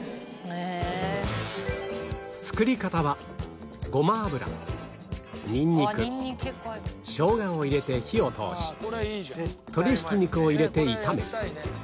作り方はごま油ニンニクしょうがを入れて火を通し鶏ひき肉を入れて炒め